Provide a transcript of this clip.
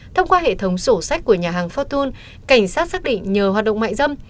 thông qua hệ thống sổ sách của nhà hàng fortune cảnh sát xác định nhờ hoạt động mại dâm